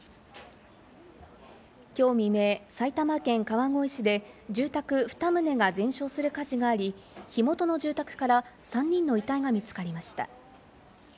今日未明、埼玉県・川越市で住宅２棟が全焼する火事があり、火元の住宅から３人の遺体が見つかりました。